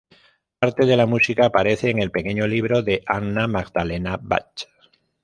Parte de la música aparece en el "Pequeño libro de Anna Magdalena Bach".